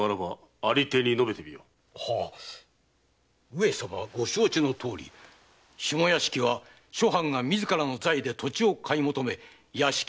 はっ上様もご承知のとおり下屋敷は諸藩が自らの財で土地を買い求め屋敷を建てたものにございます。